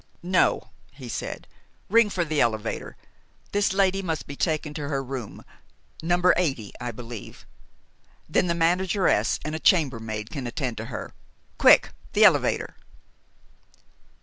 "No," he said. "Ring for the elevator. This lady must be taken to her room, No. 80, I believe, then the manageress and a chambermaid can attend to her. Quick! the elevator!"